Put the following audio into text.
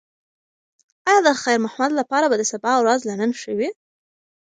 ایا د خیر محمد لپاره به د سبا ورځ له نن ښه وي؟